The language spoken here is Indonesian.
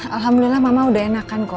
alhamdulillah mama udah enak